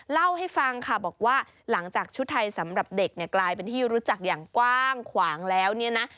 เล่าให้ฟังค่ะบอกว่าหลังจากชุดไทยสำหรับเด็กเนี่ยกลายเป็นที่รู้จักอย่างกว้างขวางแล้วเนี่ยนะ